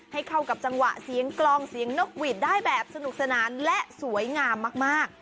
ให้เข้ากับจังหวะเสียงกลองเสียงนกหวีดได้แบบสนุกสนานและสวยงามมาก